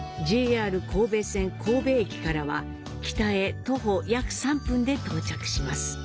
ＪＲ神戸線神戸駅からは北へ徒歩約３分で到着します。